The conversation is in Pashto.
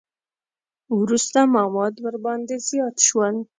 وروسته مواد ورباندې زیات شول.